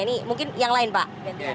ini mungkin yang lain pak